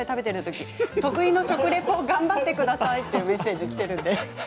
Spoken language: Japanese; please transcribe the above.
得意の食リポ、頑張ってくださいというメッセージです。